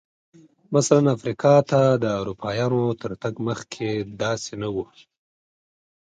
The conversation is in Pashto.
مثلاً افریقا ته د اروپایانو تر تګ مخکې داسې نه و.